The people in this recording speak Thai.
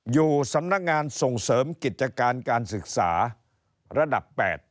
อยู่สำนักงานส่งเสริมกิจการการศึกษาระดับ๘